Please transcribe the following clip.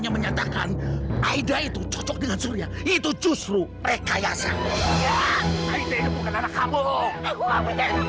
yang menyatakan aida itu cocok dengan surya itu justru rekayasa ya bukan anak kamu